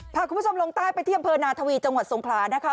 พาคุณผู้ชมลงใต้ไปที่บนาธวีจังหวัดสงครานะคะ